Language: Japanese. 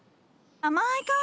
甘い香り。